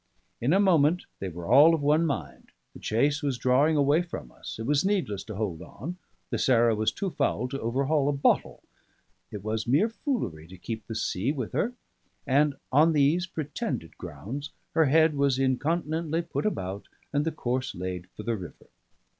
In a moment they were all of one mind: the chase was drawing away from us, it was needless to hold on, the Sarah was too foul to overhaul a bottle, it was mere foolery to keep the sea with her; and on these pretended grounds her head was incontinently put about and the course laid for the river.